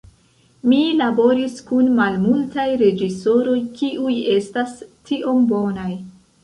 Mi laboris kun malmultaj reĝisoroj kiuj estas tiom bonaj".